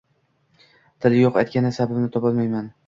Tili yo`q aytgani, sababini topolmayman